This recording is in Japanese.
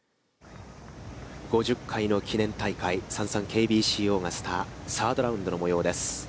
５０回の記念大会ＳａｎｓａｎＫＢＣオーガスタ、サードラウンドの模様です。